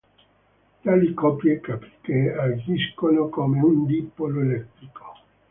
Tali coppie cariche agiscono come un dipolo elettrico.